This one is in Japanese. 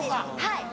はい。